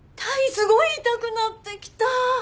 すごい痛くなってきた！